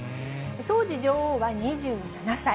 当時女王は２７歳。